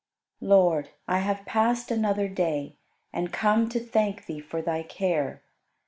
32. Lord, I have passed another day And come to thank Thee for Thy care.